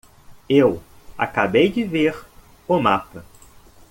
Eu acabei de ver o mapa.